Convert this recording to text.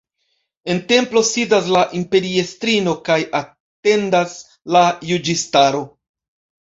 En templo sidas la imperiestrino kaj atendas la juĝistaro.